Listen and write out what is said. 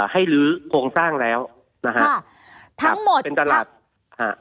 ให้ลื้อโครงสร้างแล้วนะฮะทั้งหมดเป็นตลาดอ่า